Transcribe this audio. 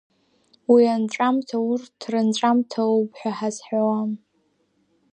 Уи анҵәамҭа урҭ рынҵәамҭа оуп ҳәа ҳазҳәауам.